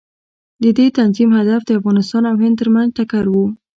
د دې تنظیم هدف د افغانستان او هند ترمنځ ټکر و.